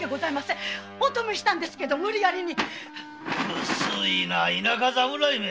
無粋な田舎侍め！